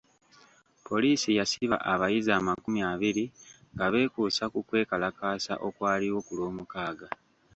Poliisi yasiba abayizi amakumi abiri nga beekuusa ku kwe kalakaasa okwaliwo ku lwomukaaga.